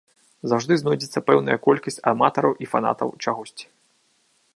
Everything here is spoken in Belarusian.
Заўжды знойдзецца пэўная колькасць аматараў і фанатаў чагосьці.